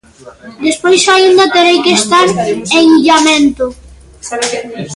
Despois aínda terei que estar en illamento.